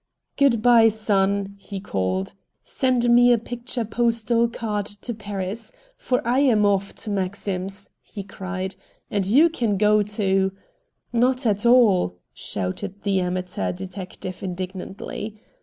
"Good by, son," he called. "Send me a picture postal card to Paris. For I am off to Maxim's," he cried, "and you can go to " "Not at all!" shouted the amateur detective indignantly.